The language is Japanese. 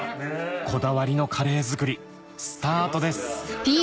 こだわりのカレー作りスタートです